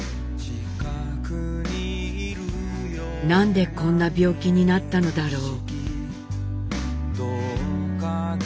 「なんでこんな病気になったのだろう」。